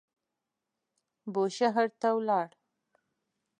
بوشهر ته ولاړ.